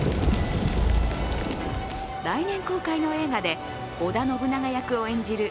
来年公開の映画で織田信長役を演じる